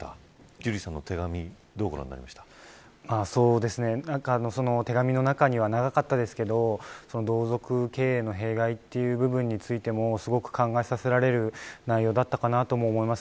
ジュリーさんの手紙手紙の中には長かったですけど同族経営の弊害という部分についてもすごく考えさせられる内容だったかなとも思います。